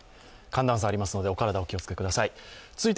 寒暖差ありますので、お体お気をつけください。